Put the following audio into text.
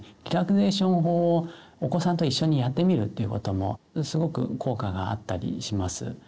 リラクゼーション法をお子さんと一緒にやってみるっていうこともすごく効果があったりします。